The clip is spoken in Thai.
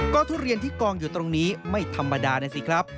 ก็ทุเรียนที่กองอยู่ตรงนี้ไม่ธรรมดานะสิครับ